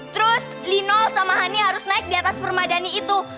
terus lino sama hani harus naik di atas permadani itu